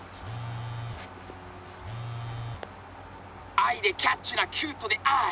アイでキャッチュなキュートでアイ。